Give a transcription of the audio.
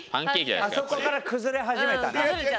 あそこから崩れ始めたな。